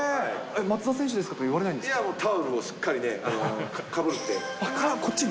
松田選手ですかって言われないやもう、タオルをしっかりこっちに。